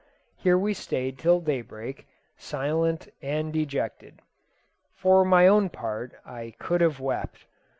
Here we stayed till daybreak, silent and dejected. For my own part I could have wept.